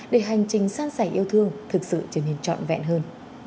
để hành trình sáng sảy yêu thương thực sự trở nên trọn vẹn hơn